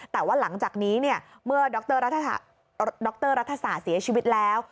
แต่ว่าหลังจากนี้เนี่ยเมื่อดรรัฐศาสตร์เสียชีวิตแล้ว